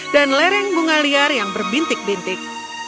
dan lereng bunga liar yang berbintik bintik